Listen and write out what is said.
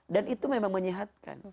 dan itu memang menyehatkan